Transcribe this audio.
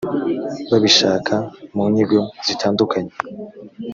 babishaka mu nyigo zitandukanye